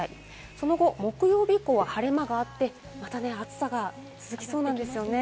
その後、木曜日以降は晴れ間があって、また暑さが続きそうなんですよね。